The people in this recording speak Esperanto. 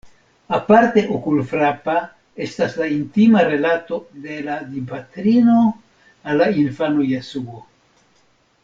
Aparte okulfrapa estas la intima rilato de la Dipatrino al la infano Jesuo.